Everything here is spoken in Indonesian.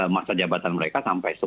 masa jabatan mereka sampai